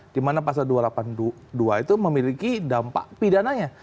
dimana pasal dua ratus delapan puluh dua itu memiliki dampak pidananya